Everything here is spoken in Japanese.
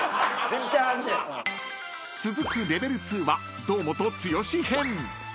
［続くレベル２は堂本剛編］